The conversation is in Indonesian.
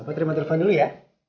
pak terima telepon dulu ya